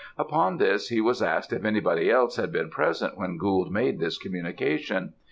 Upon this, he was asked if anybody else had been present when Gould made this communication.